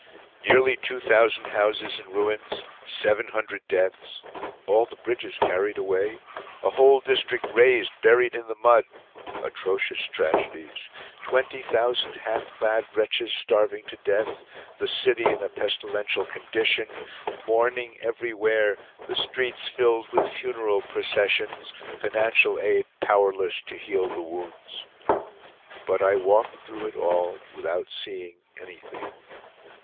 Nearly two thousand houses in ruins; seven hundred deaths; all the bridges carried away; a whole district razed, buried in the mud; atrocious tragedies; twenty thousand half clad wretches starving to death; the city in a pestilential condition; mourning everywhere; the streets filled with funeral processions; financial aid powerless to heal the wounds! But I walked through it all without seeing anything.